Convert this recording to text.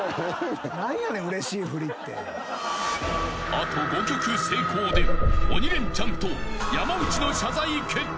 ［あと５曲成功で鬼レンチャンと山内の謝罪決定］